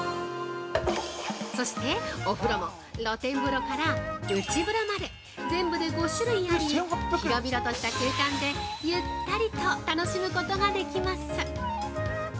そしてお風呂も露天風呂から内風呂まで、全部で５種類あり、広々とした空間で、ゆったりと楽しむことができます！